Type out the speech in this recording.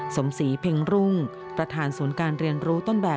สมศรีเพ็งรุ่งประธานศูนย์การเรียนรู้ต้นแบบ